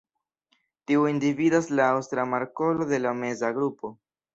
Tiujn dividas la Aŭstra markolo de la meza grupo.